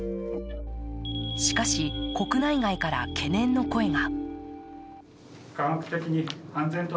しかし、国内外から懸念の声が。